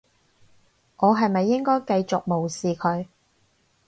我係咪應該繼續無視佢？